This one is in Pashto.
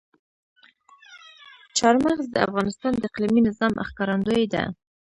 چار مغز د افغانستان د اقلیمي نظام ښکارندوی ده.